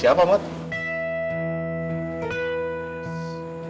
siabang beneran om